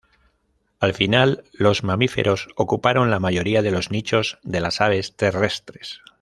Al final, los mamíferos ocuparon la mayoría de los nichos de las aves terrestres.